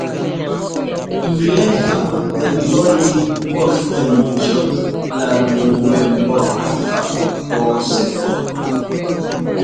Ŋ gẅɛɛ faꞌ tɛ ḿbɔ́ yɛ ḿbɔ́ fɛn cɔ̌ lá ŋu wɛ ḿbɔ́ a faꞌ pɔɔ sɛ́ pɔ́.